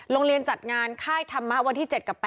โรงเรียนจัดงานค่ายธรรมะวันที่๗กับ๘